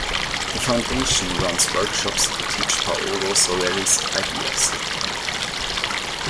The Foundation runs workshops to teach Paolo Soleri's ideas.